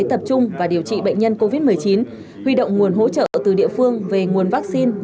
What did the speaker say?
tập trung và điều trị bệnh nhân covid một mươi chín huy động nguồn hỗ trợ từ địa phương về nguồn vaccine